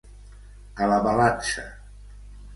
A la balança.